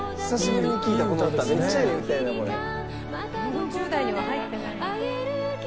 ４０代には入ってない。